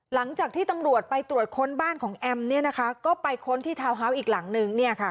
หลังจากที่ตำรวจไปตรวจค้นบ้านของแอมเนี่ยนะคะก็ไปค้นที่ทาวน์ฮาวอีกหลังหนึ่งเนี่ยค่ะ